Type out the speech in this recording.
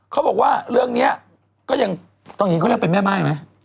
เขาบอกว่าเรื่องนี้ก็ยังตอนนี้เขาเรียกเป็นแม่ม่ายไหม